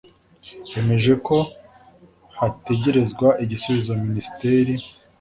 hemejwe ko hategerezwa igisubizo minisiteri